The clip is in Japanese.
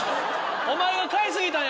お前が買い過ぎたんや卵。